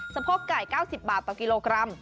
สะพบไก่๙๐บาทกิโลกรัม